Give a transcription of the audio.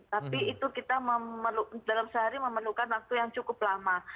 tapi itu kita dalam sehari memerlukan waktu yang cukup lama